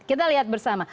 kita lihat bersama